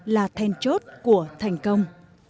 là thèn chốt của thành công